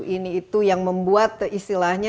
ini itu yang membuat istilahnya